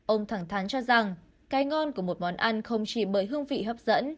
ông thẳng thắn cho rằng cái ngon của một món ăn không chỉ bởi hương vị hấp dẫn